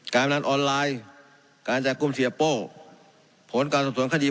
การบันดันออนไลน์ครเตรกภึมเสียโปผลการส่งส่วนคดี